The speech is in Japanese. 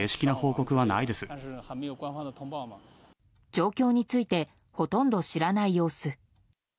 状況についてほとんど知らない様子。